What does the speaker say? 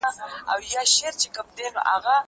دا خواړه له هغو تازه دي!؟